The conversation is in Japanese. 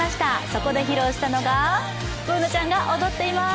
そこで披露したのが、Ｂｏｏｎａちゃんが踊っています。